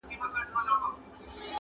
ښکلا پر سپینه غاړه ,